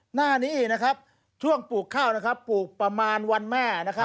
หน้านี้นะครับช่วงปลูกข้าวนะครับปลูกประมาณวันแม่นะครับ